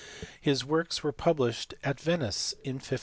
his works were published at Venice in 1575.